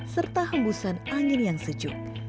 serta hembusan angin yang sejuk